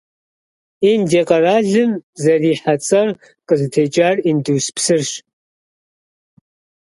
Индие къэралым зэрихьэ цӀэр къызытекӀар Индус псырщ.